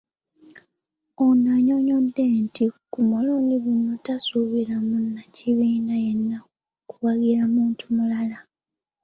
Ono annyonnyodde nti ku mulundi guno taasubira munnakibiina yenna kuwagira muntu mulala